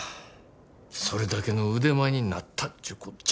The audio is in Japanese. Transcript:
それだけの腕前になったちゅうこっちゃ。